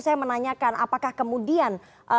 saya menanyakan apakah kemudian